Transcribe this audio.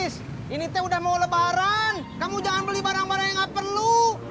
saya mau lebaran kamu jangan beli barang barang yang gak perlu